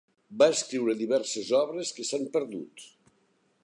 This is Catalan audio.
Va escriure diverses obres que s'han perdut.